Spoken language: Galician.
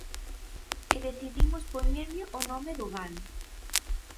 E decidimos poñerlle o nome do Galo.